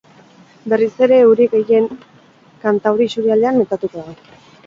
Berriz ere euri gehien kantauri isurialdean metatuko da.